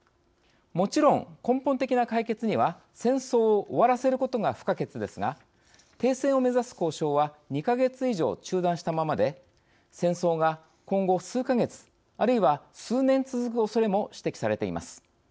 もちろん、根本的な解決には戦争を終わらせることが不可欠ですが停戦を目指す交渉は２か月以上、中断したままで戦争が今後、数か月あるいは、数年続くおそれも指摘されています。